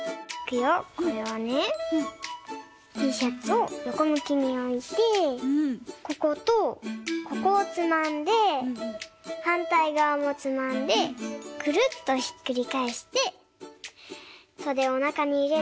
ティーシャツをよこむきにおいてこことここをつまんではんたいがわもつまんでくるっとひっくりかえしてそでをなかにいれればかんせい！